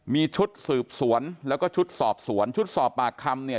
มีชุดสืบสวนแล้วก็ชุดสอบสวนชุดสอบปากคำเนี่ย